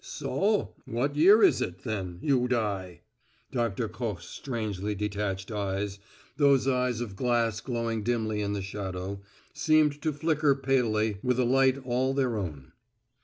"So? What year is it, then, you die?" Doctor Koch's strangely detached eyes those eyes of glass glowing dimly in the shadow seemed to flicker palely with a light all their own.